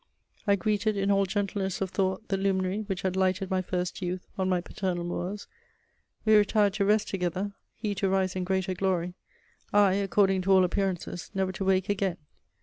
I greeted in all gentleness of thought the luminary which had lighted my first youth on my paternal moors: we retired to rest together, he to rise in greater glory, I, according to all appearances, never to wake again.